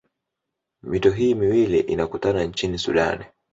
Mito hii miwili inakutana nchini sudani